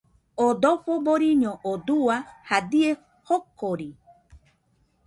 Oo dojo boriño oo dua jadie jokori